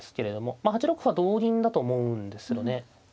まあ８六歩は同銀だと思うんですけどね。